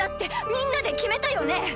みんなで決めたよね？